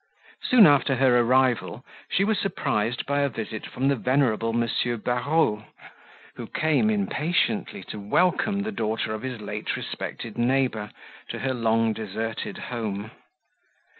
Soon after her arrival, she was surprised by a visit from the venerable M. Barreaux, who came impatiently to welcome the daughter of his late respected neighbour, to her long deserted home.